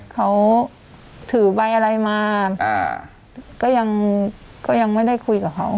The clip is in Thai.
เขาถือใบอะไรมาก็ยังก็ยังไม่ได้คุยกับเขา